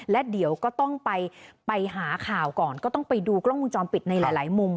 และเดี๋ยวก็ต้องไปไปหาข่าวก่อนก็ต้องไปดูกล้องวงจรปิดในหลายมุม